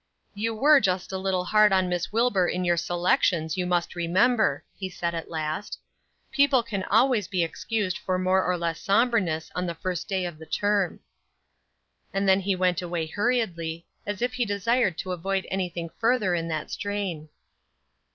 "You were just a little hard on Miss Wilbur in your selections, you must remember," he said at last. "People can always be excused for more or less sombreness on the first day of the term." And then he went away hurriedly, as if he desired to avoid anything further in that strain.